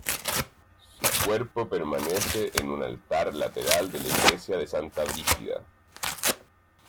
Su cuerpo permanece en un altar lateral de la Iglesia de Santa Brígida.